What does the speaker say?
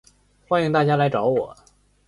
欢迎大家来找我